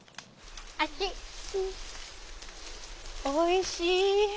おいしい！